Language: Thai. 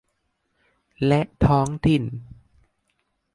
และท้องถิ่น